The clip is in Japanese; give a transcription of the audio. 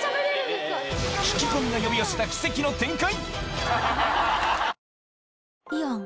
聞き込みが呼び寄せた奇跡の展開！